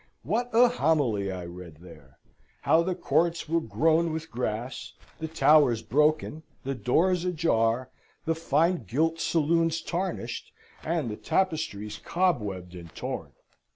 What a homily I read there! How the courts were grown with grass, the towers broken, the doors ajar, the fine gilt saloons tarnished, and the tapestries cobwebbed and torn!